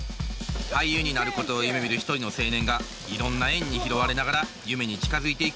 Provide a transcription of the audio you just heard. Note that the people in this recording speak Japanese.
俳優になることを夢みる一人の青年がいろんな縁に拾われながら夢に近づいていく物語です。